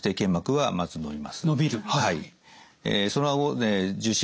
はい。